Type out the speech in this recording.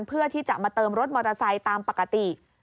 เพื่อที่จะมาเติมรถมอเตอร์ไซค์ตามปกติ